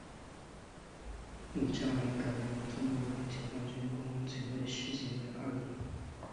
仪仗连改编为中国人民解放军公安警卫师警卫营二连。